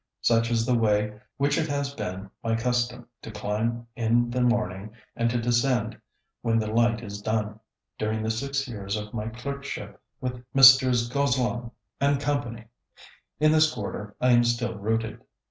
Such is the way which it has been my custom to climb in the morning and to descend when the light is done, during the six years of my clerkship with Messrs. Gozlan & Co. In this quarter I am still rooted.